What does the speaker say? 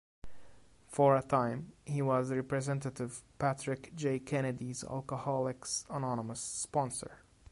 For a time, he was Representative Patrick J. Kennedy's Alcoholics Anonymous sponsor.